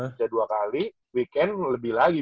bisa dua kali weekend lebih lagi